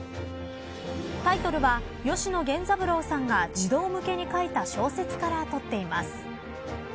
タイトルは吉野源三郎さんが児童向けに書いた小説からとっています。